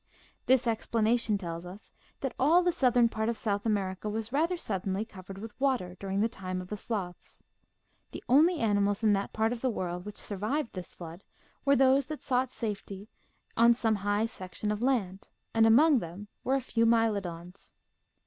This explanation tells us that all the southern part of South America was rather suddenly covered with water during the time of the sloths. The only animals in that part of the world which survived this flood were those that sought safety on some high section of land, and among them were a few Mylodons.